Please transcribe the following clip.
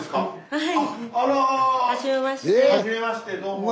はい。